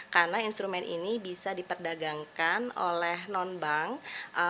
karena instrumen ini bisa diperdagangkan oleh bank indonesia